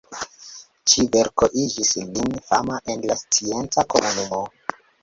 Ĉi-verko igis lin fama en la scienca komunumo.